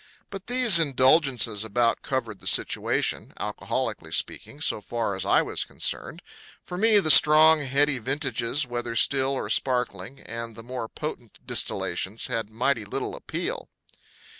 But these indulgences about covered the situation, alcoholically speaking, so far as I was concerned. For me the strong, heady vintages, whether still or sparkling, and the more potent distillations had mighty little appeal.